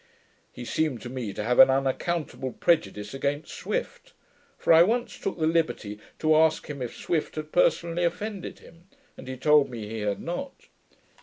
He seemed to me to have an unaccountable prejudice against Swift; for I once took a liberty to ask him, if Swift had personally offended him, and he told me, he had not.